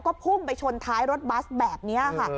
ก็พุ่งไปชนท้ายรถบัสแบบนี้ค่ะ